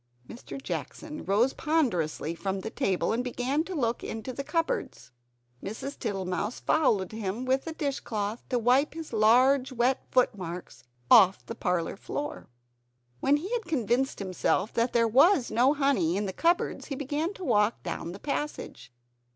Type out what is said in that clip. Mr. Jackson rose ponderously from the table, and began to look into the cupboards. Mrs. Tittlemouse followed him with a dishcloth, to wipe his large wet footmarks off the parlor floor. When he had convinced himself that there was no honey in the cupboards, he began to walk down the passage.